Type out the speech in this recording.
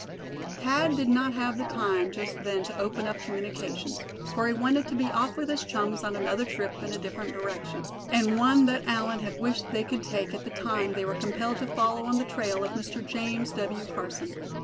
Thad did not have the time just then to open up communications, for he wanted to be off with his chums on another trip in a different direction; and one that Allan had wished they could take at the time they were compelled to follow on the trail of Mr. James W. Carson.